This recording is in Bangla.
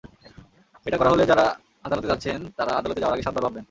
এটা করা হলে যাঁরা আদালতে যাচ্ছেন, তাঁরা আদালতে যাওয়ার আগে সাতবার ভাববেন।